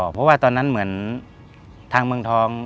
เพราะว่าตอนนั้นเหมือนทางเมืองทอง